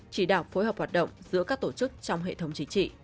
chỉ đạo phối hợp hoạt động giữa các tổ chức trong hệ thống chính trị